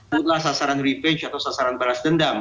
satu adalah sasaran revenge atau sasaran balas dendam